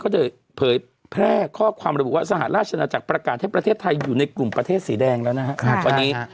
ได้เผยแพร่ข้อความระบุว่าสหราชนาจักรประกาศให้ประเทศไทยอยู่ในกลุ่มประเทศสีแดงแล้วนะครับตอนนี้